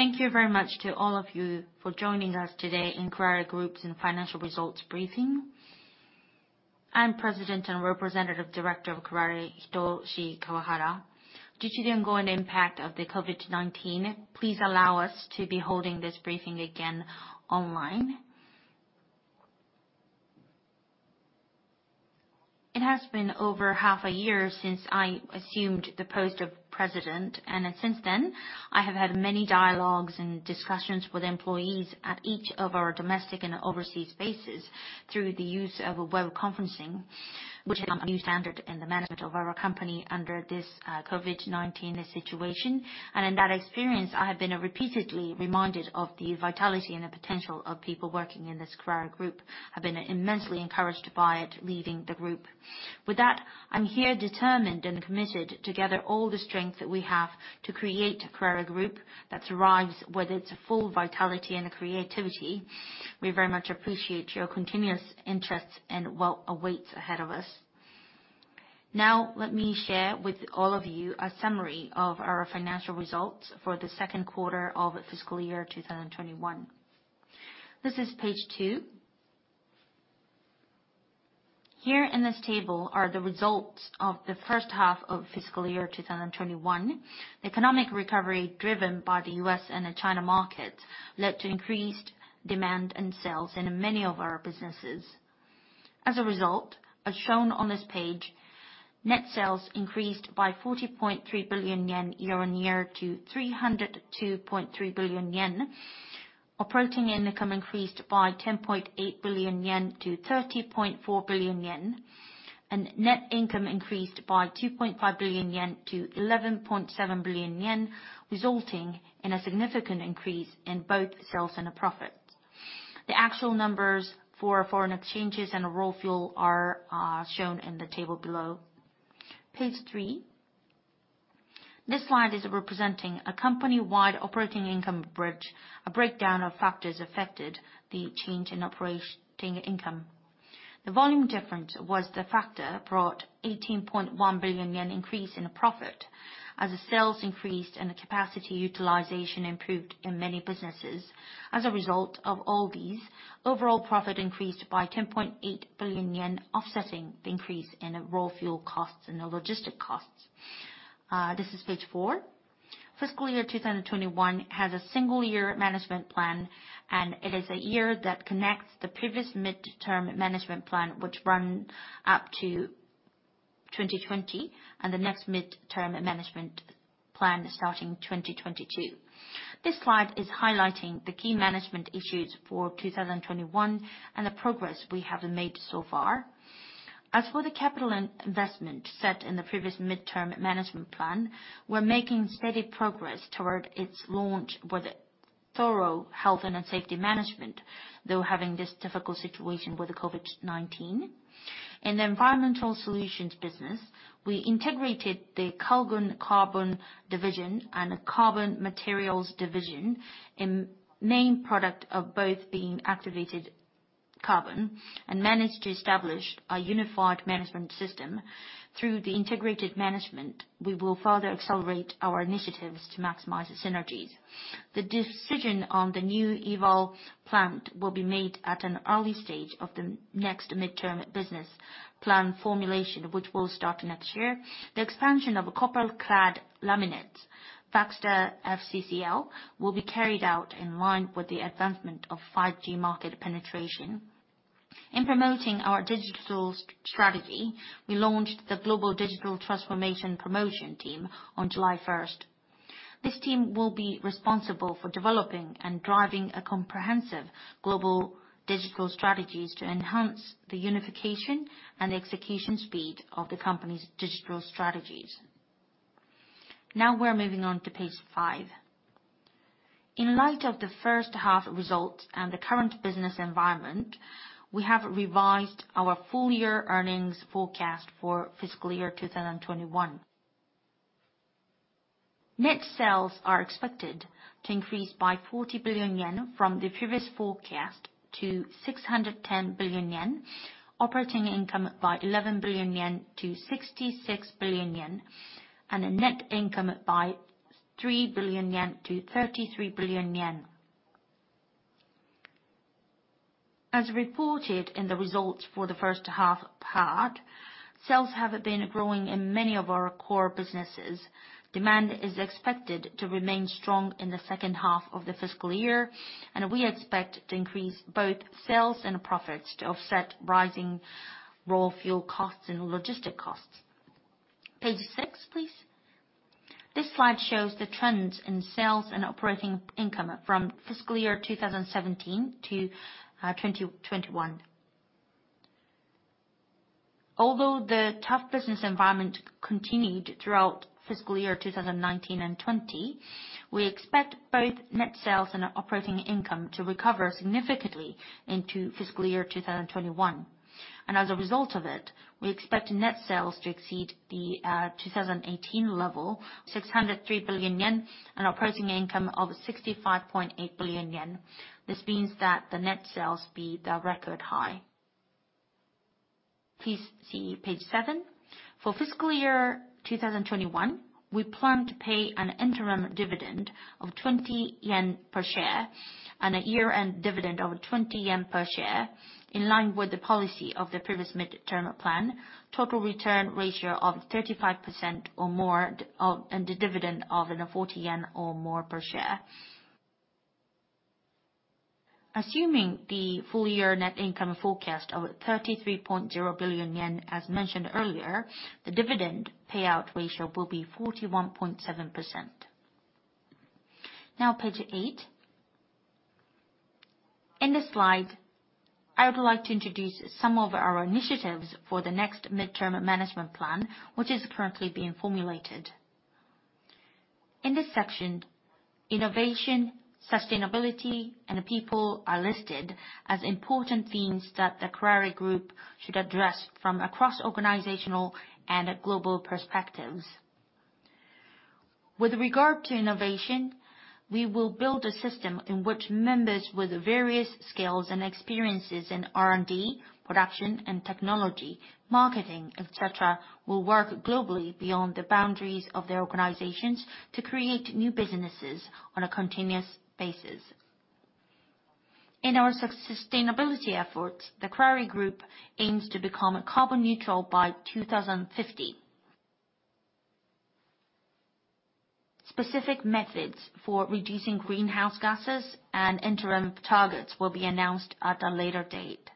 Thank you very much to all of you for joining us today in Kuraray Group's financial results briefing. I'm President and Representative Director of Kuraray, Hitoshi Kawahara. Due to the ongoing impact of the COVID-19, please allow us to be holding this briefing again online. It has been over half a year since I assumed the post of president, since then, I have had many dialogues and discussions with employees at each of our domestic and overseas bases through the use of web conferencing, which has become a new standard in the management of our company under this COVID-19 situation. In that experience, I have been repeatedly reminded of the vitality and the potential of people working in this Kuraray Group. I've been immensely encouraged by it, leading the group. With that, I'm here determined and committed to gather all the strength that we have to create a Kuraray Group that thrives with its full vitality and creativity. We very much appreciate your continuous interest in what awaits ahead of us. Let me share with all of you a summary of our financial results for the second quarter of fiscal year 2021. This is Page two. Here in this table are the results of the first half of fiscal year 2021. The economic recovery driven by the U.S. and the China market led to increased demand and sales in many of our businesses. As a result, as shown on this page, net sales increased by 40.3 billion yen year-on-year to 302.3 billion yen. Operating income increased by 10.8 billion-30.4 billion yen. Net income increased by 2.5 billion-11.7 billion yen, resulting in a significant increase in both sales and profit. The actual numbers for foreign exchanges and raw fuel are shown in the table below. Page three. This slide is representing a company-wide operating income bridge, a breakdown of factors affected the change in operating income. The volume difference was the factor that brought 18.1 billion yen increase in profit as sales increased and capacity utilization improved in many businesses. As a result of all these, overall profit increased by 10.4 billion yen, offsetting the increase in raw fuel costs and the logistic costs. This is page 4. Fiscal year 2021 has a single-year management plan, and it is a year that connects the previous midterm management plan, which ran up to 2020, and the next midterm management plan starting 2022. This slide is highlighting the key management issues for 2021 and the progress we have made so far. As for the capital investment set in the previous midterm management plan, we're making steady progress toward its launch with thorough health and safety management, though having this difficult situation with COVID-19. In the Environmental Solutions business, we integrated the Calgon Carbon division and the Carbon Materials division, a main product of both being activated carbon, and managed to establish a unified management system. Through the integrated management, we will further accelerate our initiatives to maximize the synergies. The decision on the new EVAL™ plant will be made at an early stage of the next midterm business plan formulation, which will start next year. The expansion of copper clad laminates, VECSTAR™ FCCL, will be carried out in line with the advancement of 5G market penetration. In promoting our digital strategy, we launched the Global Digital Transformation Promotion team on July 1st. This team will be responsible for developing and driving comprehensive global digital strategies to enhance the unification and execution speed of the company's digital strategies. We're moving on to Page five. In light of the first half results and the current business environment, we have revised our full-year earnings forecast for fiscal year 2021. Net sales are expected to increase by 40 billion yen from the previous forecast to 610 billion yen. Operating income by 11 billion yen to 66 billion yen. Net income by 3 billion-33 billion yen. As reported in the results for the first half part, sales have been growing in many of our core businesses. Demand is expected to remain strong in the second half of the fiscal year. We expect to increase both sales and profits to offset rising raw fuel costs and logistic costs. Page six, please. This slide shows the trends in sales and operating income from fiscal year 2017 to 2021. Although the tough business environment continued throughout fiscal year 2019 and 2020, we expect both net sales and operating income to recover significantly into fiscal year 2021. As a result of it, we expect net sales to exceed the 2018 level, 603 billion yen, and operating income of 65.8 billion yen. This means that the net sales will be the record high. Please see Page seven. For fiscal year 2021, we plan to pay an interim dividend of 20 yen per share and a year-end dividend of 20 yen per share, in line with the policy of the previous mid-term plan, total return ratio of 35% or more, and a dividend of 40 yen or more per share. Assuming the full-year net income forecast of 33.0 billion yen, as mentioned earlier, the dividend payout ratio will be 41.7%. Now, Page eight. In this slide, I would like to introduce some of our initiatives for the next mid-term management plan, which is currently being formulated. In this section, innovation, sustainability, and people are listed as important themes that the Kuraray Group should address from across organizational and global perspectives. With regard to innovation, we will build a system in which members with various skills and experiences in R&D, production and technology, marketing, et cetera, will work globally beyond the boundaries of their organizations to create new businesses on a continuous basis. In our sustainability efforts, the Kuraray Group aims to become carbon neutral by 2050. Specific methods for reducing greenhouse gases and interim targets will be announced at a later date.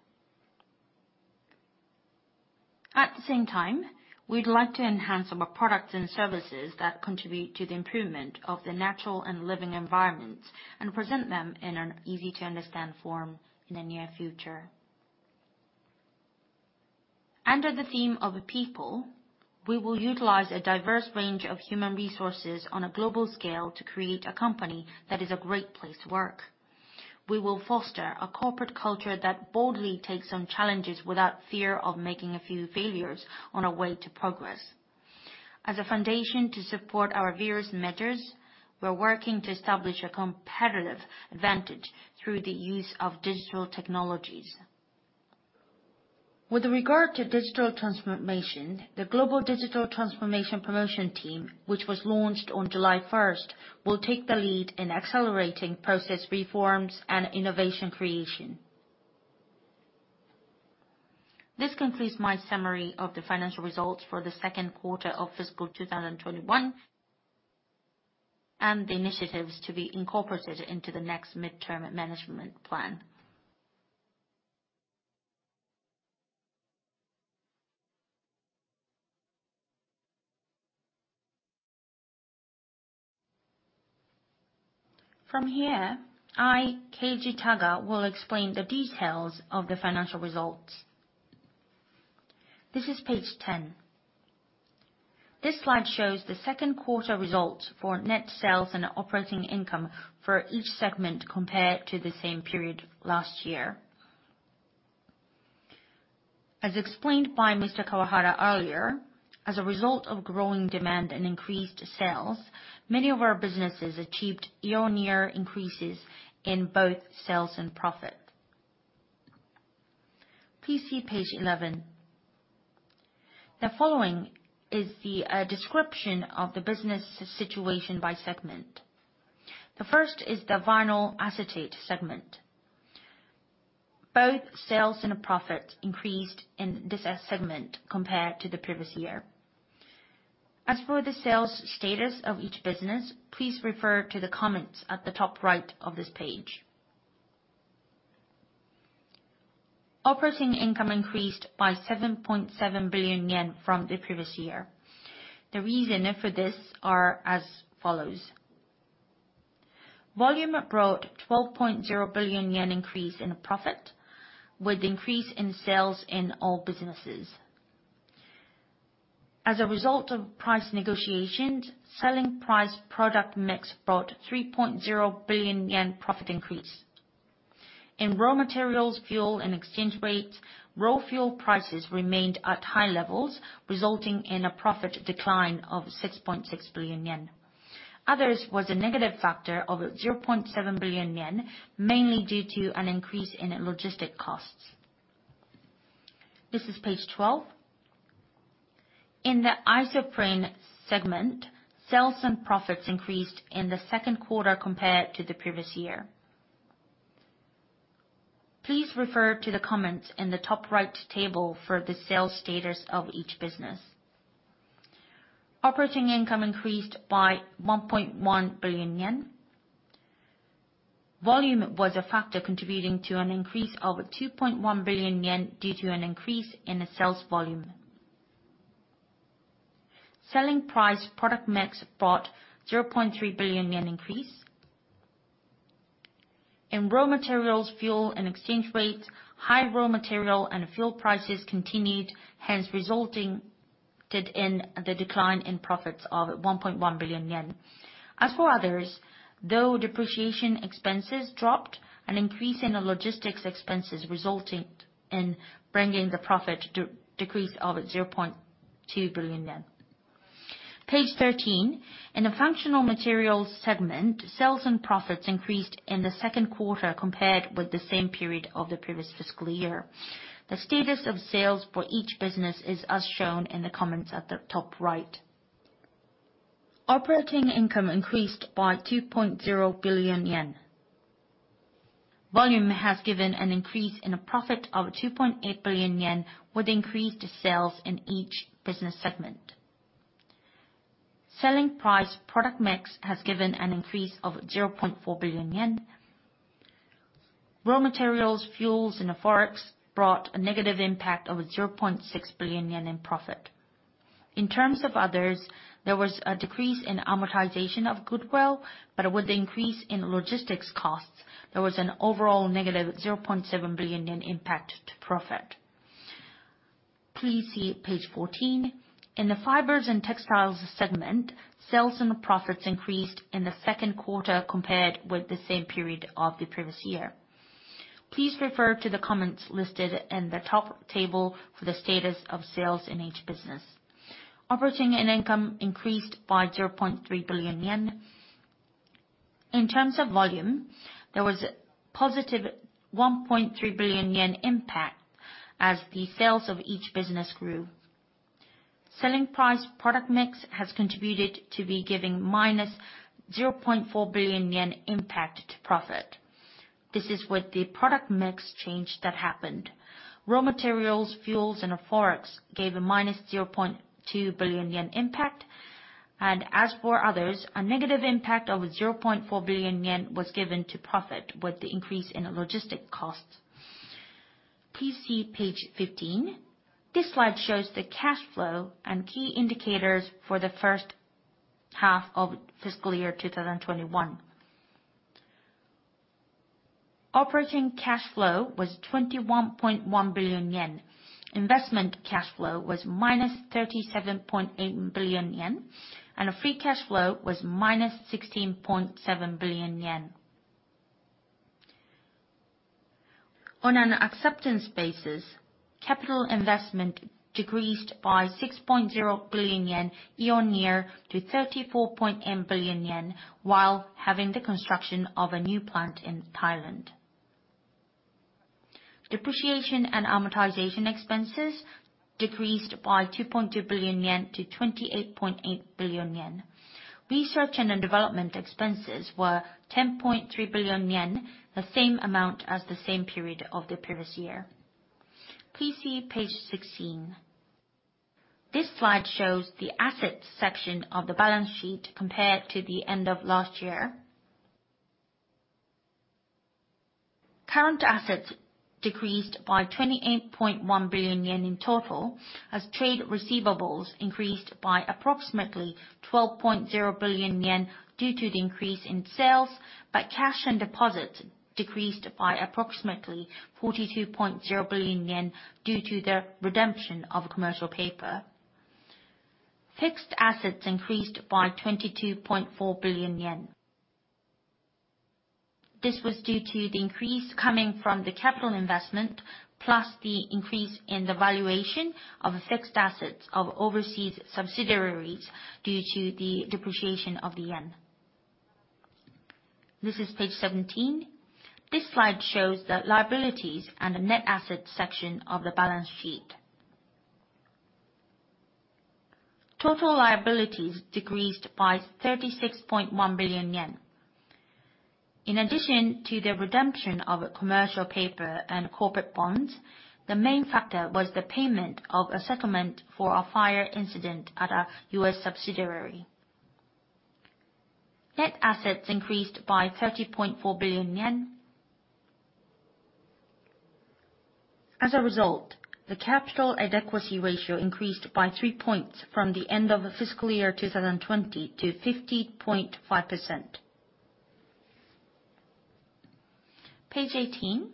At the same time, we'd like to enhance our products and services that contribute to the improvement of the natural and living environments, and present them in an easy-to-understand form in the near future. Under the theme of people, we will utilize a diverse range of human resources on a global scale to create a company that is a great place to work. We will foster a corporate culture that boldly takes on challenges without fear of making a few failures on our way to progress. As a foundation to support our various measures, we're working to establish a competitive advantage through the use of digital technologies. With regard to digital transformation, the Global Digital Transformation Promotion Team, which was launched on July 1st, will take the lead in accelerating process reforms and innovation creation. This concludes my summary of the financial results for the second quarter of fiscal 2021, and the initiatives to be incorporated into the next mid-term management plan. From here, I, Keiji Taga, will explain the details of the financial results. This is Page 10. This slide shows the second quarter results for net sales and operating income for each segment compared to the same period last year. As explained by Mr. Kawahara earlier, as a result of growing demand and increased sales, many of our businesses achieved year-on-year increases in both sales and profit. Please see Page 11. The following is the description of the business situation by segment. The first is the vinyl acetate segment. Both sales and profit increased in this segment compared to the previous year. As for the sales status of each business, please refer to the comments at the top right of this page. Operating income increased by 7.7 billion yen from the previous year. The reason for this are as follows. Volume brought 12.0 billion yen increase in profit, with increase in sales in all businesses. As a result of price negotiations, selling price product mix brought 3.0 billion yen profit increase. In raw materials, fuel, and exchange rates, raw fuel prices remained at high levels, resulting in a profit decline of 6.6 billion yen. Others was a negative factor of 0.7 billion yen, mainly due to an increase in logistic costs. This is Page 12. In the isoprene segment, sales and profits increased in the second quarter compared to the previous year. Please refer to the comments in the top right table for the sales status of each business. Operating income increased by 1.1 billion yen. Volume was a factor contributing to an increase of 2.1 billion yen due to an increase in the sales volume. Selling price product mix brought 0.3 billion yen increase. In raw materials, fuel, and exchange rates, high raw material and fuel prices continued, hence resulting in the decline in profits of 1.1 billion yen. As for others, though depreciation expenses dropped, an increase in logistics expenses resulted in bringing the profit decrease of 0.2 billion yen. Page 13. In the functional materials segment, sales and profits increased in the second quarter compared with the same period of the previous fiscal year. The status of sales for each business is as shown in the comments at the top right. Operating income increased by 2.0 billion yen. Volume has given an increase in a profit of 2.8 billion yen with increased sales in each business segment. Selling price product mix has given an increase of 0.4 billion yen. Raw materials, fuels, and Forex brought a negative impact of 0.6 billion yen in profit. In terms of others, there was a decrease in amortization of goodwill, but with the increase in logistics costs, there was an overall -0.7 billion impact to profit. Please see page 14. In the Fibers and Textiles segment, sales and profits increased in the second quarter compared with the same period of the previous year. Please refer to the comments listed in the top table for the status of sales in each business. Operating income increased by 0.3 billion yen. In terms of volume, there was a +1.3 billion yen impact as the sales of each business grew. Selling price product mix has contributed to giving -0.4 billion yen impact to profit. This is with the product mix change that happened. Raw materials, fuels, and Forex gave a -0.2 billion yen impact. As for others, a negative impact of 0.4 billion yen was given to profit with the increase in logistic costs. Please see Page 15. This slide shows the cash flow and key indicators for the first half of fiscal year 2021. Operating cash flow was 21.1 billion yen. Investment cash flow was -37.8 billion yen, and free cash flow was -16.7 billion yen. On an acceptance basis, capital investment decreased by 6.0 billion yen year-on-year to 34.8 billion yen while having the construction of a new plant in Thailand. Depreciation and amortization expenses decreased by 2.2 billion-28.8 billion yen. Research and development expenses were 10.3 billion yen, the same amount as the same period of the previous year. Please see Page 16. This slide shows the asset section of the balance sheet compared to the end of last year. Current assets decreased by 28.1 billion yen in total as trade receivables increased by approximately 12.0 billion yen due to the increase in sales. Cash and deposits decreased by approximately 42.0 billion yen due to the redemption of commercial paper. Fixed assets increased by 22.4 billion yen. This was due to the increase coming from the capital investment, plus the increase in the valuation of fixed assets of overseas subsidiaries due to the depreciation of the yen. This is Page 17. This slide shows the liabilities and the net assets section of the balance sheet. Total liabilities decreased by 36.1 billion yen. In addition to the redemption of commercial paper and corporate bonds, the main factor was the payment of a settlement for a fire incident at a U.S. subsidiary. Net assets increased by JPY 30.4 billion. As a result, the capital adequacy ratio increased by 3 points from the end of fiscal year 2020 to 50.5%. Page 18.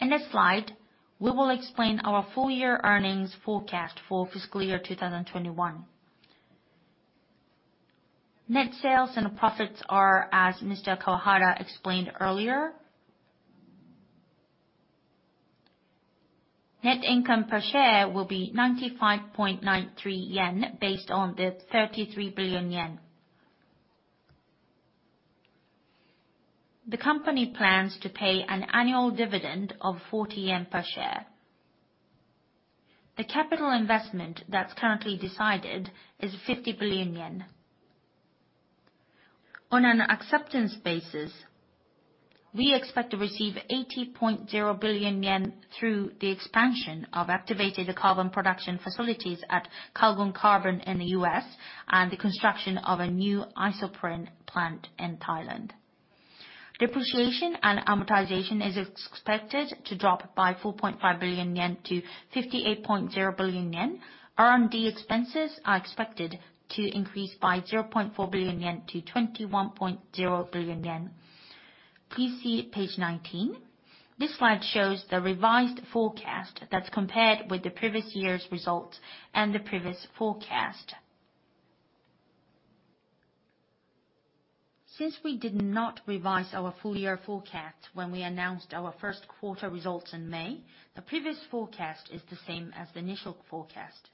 In this slide, we will explain our full-year earnings forecast for fiscal year 2021. Net sales and profits are as Mr. Kawahara explained earlier. Net income per share will be 95.93 yen based on the 33 billion yen. The company plans to pay an annual dividend of 40 yen per share. The capital investment that's currently decided is 50 billion yen. On an acceptance basis, we expect to receive 80.0 billion yen through the expansion of activated carbon production facilities at Calgon Carbon in the U.S. and the construction of a new isoprene plant in Thailand. Depreciation and amortization is expected to drop by 4.5 billion-58.0 billion yen. R&D expenses are expected to increase by 0.4 billion-21.0 billion yen. Please see Page 19. This slide shows the revised forecast that's compared with the previous year's results and the previous forecast. Since we did not revise our full-year forecast when we announced our first quarter results in May, the previous forecast is the same as the initial forecast.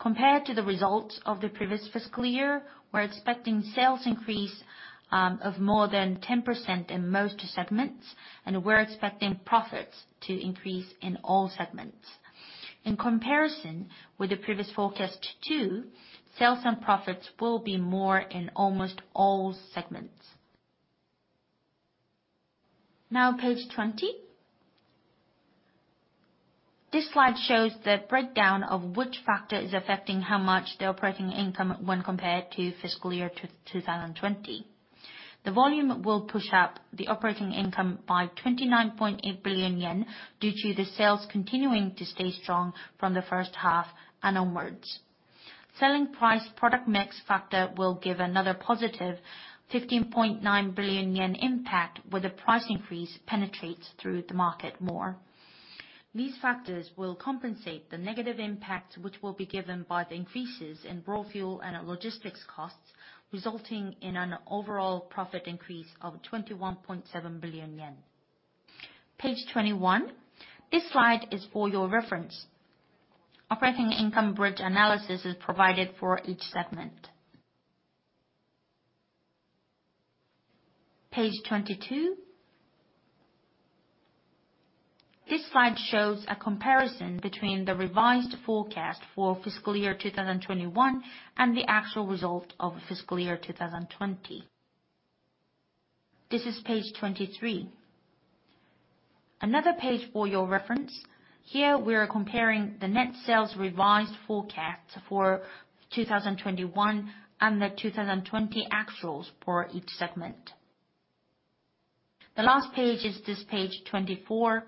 Compared to the results of the previous fiscal year, we're expecting sales increase of more than 10% in most segments, and we're expecting profits to increase in all segments. In comparison with the previous forecast too, sales and profits will be more in almost all segments. Page 20. This slide shows the breakdown of which factor is affecting how much the operating income when compared to fiscal year 2020. The volume will push up the operating income by 29.8 billion yen due to the sales continuing to stay strong from the first half and onwards. Selling price product mix factor will give another positive 15.9 billion yen impact, where the price increase penetrates through the market more. These factors will compensate the negative impact, which will be given by the increases in raw fuel and logistics costs, resulting in an overall profit increase of 21.7 billion yen. Page 21. This slide is for your reference. Operating income bridge analysis is provided for each segment. Page 22. This slide shows a comparison between the revised forecast for fiscal year 2021 and the actual result of fiscal year 2020. This is Page 23. Another page for your reference. Here, we are comparing the net sales revised forecast for 2021 and the 2020 actuals for each segment. The last page is this Page 24.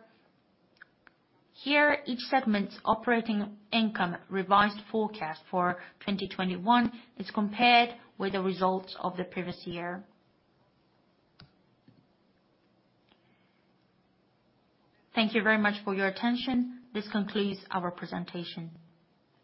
Here, each segment's operating income revised forecast for 2021 is compared with the results of the previous year. Thank you very much for your attention. This concludes our presentation.